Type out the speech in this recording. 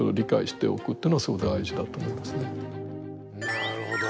なるほど。